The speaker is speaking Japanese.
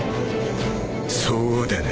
そうだな。